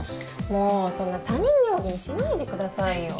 もうそんな他人行儀にしないでくださいよ。